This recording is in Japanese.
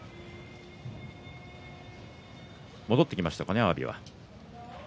戻ってきましたかね、阿炎は。